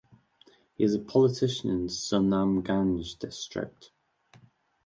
He is Politician in Sunamganj District.